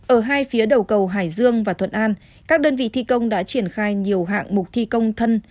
ở hai phía đầu cầu hải dương và thuận an các đơn vị thi công đã triển khai nhiều hạng mục thi công thân